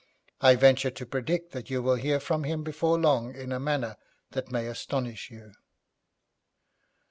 I venture to predict that you will hear from him before long in a manner that may astonish you.'